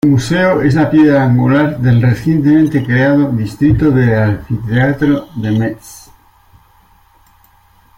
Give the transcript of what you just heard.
El museo es la piedra angular del recientemente creado Distrito del Anfiteatro de Metz.